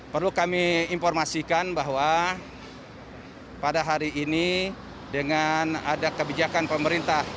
perlu kami informasikan bahwa pada hari ini dengan ada kebijakan pemerintah